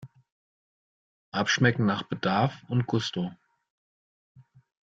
Abschmecken nach Bedarf und Gusto!